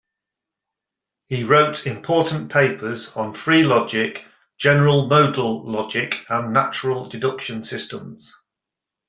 He wrote important papers on free logic, general modal logic, and natural deduction systems.